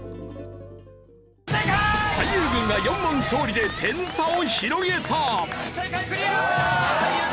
俳優軍が４問勝利で点差を広げた！